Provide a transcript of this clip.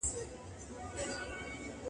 که په ښار کي نور طوطیان وه دی پاچا وو-